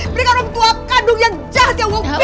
mereka orang tua kandung yang jahat ya wopi